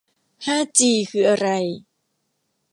ห้าจีคืออะไร